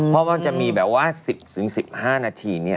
เพราะว่าจะมีแบบว่า๑๐๑๕นาทีเนี่ย